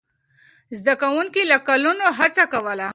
زده کوونکي له کلونو هڅه کوله.